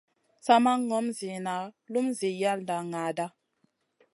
Sa ma ŋom ziyna lum zi yalda naaɗa.